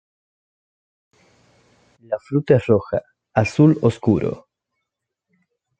La fruta es roja, azul oscuro.